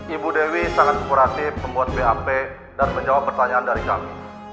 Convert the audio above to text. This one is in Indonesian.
ibu dewi sangat sporatif membuat bap dan menjawab pertanyaan dari kami